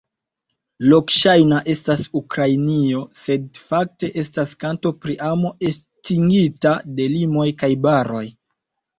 Lokŝajna estas Ukrainio sed fakte estas kanto pri amo estingita de limoj kaj baroj.